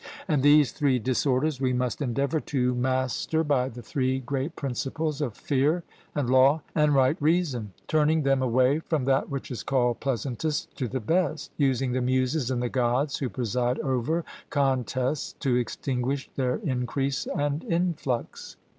And these three disorders we must endeavour to master by the three great principles of fear and law and right reason; turning them away from that which is called pleasantest to the best, using the Muses and the Gods who preside over contests to extinguish their increase and influx.